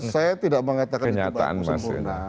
saya tidak mengatakan itu bagus sempurna